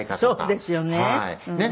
そうですよね。